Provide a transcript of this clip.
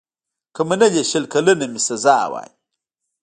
که منلې شل کلنه مي سزا وای